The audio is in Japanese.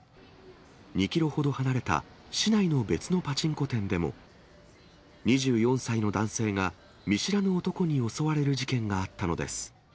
２キロほど離れた市内の別のパチンコ店でも、２４歳の男性が、見知らぬ男に襲われる事件があったのです。